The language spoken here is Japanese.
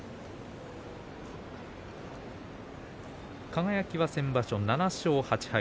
輝は先場所７勝８敗